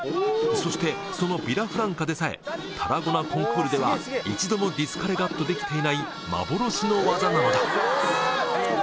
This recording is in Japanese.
そしてその『ビラフランカ』でさえタラゴナコンクールでは一度もディスカレガットできていない幻の技なのだ